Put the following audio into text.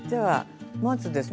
まずですね